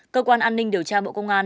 cơ quan an ninh điều tra bộ công an